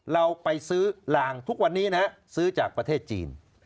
เราไปซื้อลางทุกวันนี้นะซื้อจากประเทศจีน